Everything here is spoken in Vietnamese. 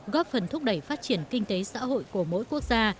góp phần thúc đẩy phát triển kinh tế xã hội của mỗi quốc gia